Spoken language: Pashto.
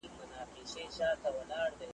په هوا کي ماڼۍ نه جوړېږي .